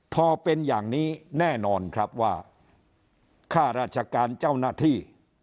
พอเป็นอย่างนี้แน่นอนครับว่าค่าราชการเจ้าหน้าที่